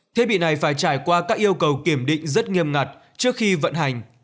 thiết bị này phải trải qua các yêu cầu kiểm định rất nghiêm ngặt trước khi vận hành